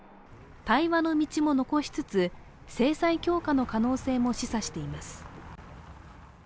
対話の道も残しつつ、制裁強化の可能性も示唆しています。